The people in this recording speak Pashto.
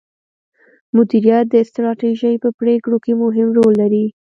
مديريت د ستراتیژۍ په پریکړو کې مهم رول لري.